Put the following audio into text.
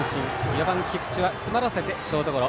４番、菊池は詰まらせてショートゴロ。